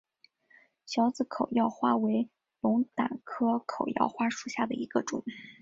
小籽口药花为龙胆科口药花属下的一个种。